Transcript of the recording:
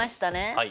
はい。